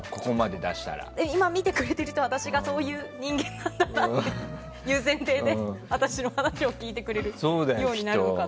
今、見てくれてる人は私がそういう人間なんだなっていう前提で私の話を聞いてくれるようになるのかな。